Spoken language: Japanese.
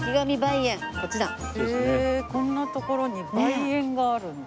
へえこんな所に梅園があるんだ。